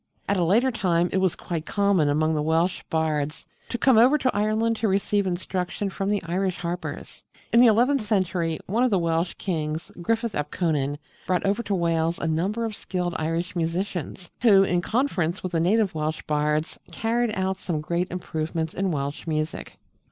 At a later time it was quite common among the Welsh bards to come over to Ireland to receive instruction from the Irish harpers. In the eleventh century one of the Welsh kings, Griffith ap Conan, brought over to Wales a number of skilled Irish musicians, who, in conference with the native Welsh bards, carried out some great improvements in Welsh music.